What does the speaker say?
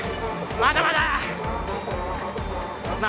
まだまだ。